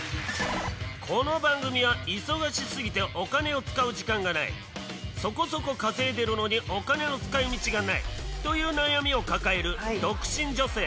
この番組は忙しすぎてお金を使う時間がないそこそこ稼いでるのにお金の使い道がないという悩みを抱える独身女性